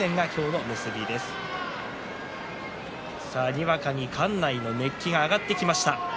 にわかに館内の熱気が上がってきました。